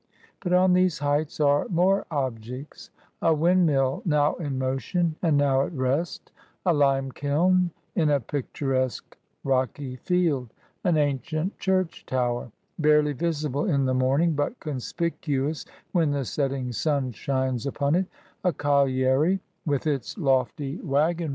But on these heights are more objects ; a windmill, now in motion and now at rest ; a lime kiln, in a picturesque rocky field ; an ancient church tower, barely visible in the morning, but conspicuous when the setting sun shines upon it ; a colliery, with its lofty wagon 48 ESSAYS.